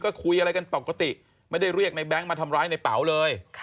ก็คุยอะไรกันปกติไม่ได้เรียกในแง๊งมาทำร้ายในเป๋าเลย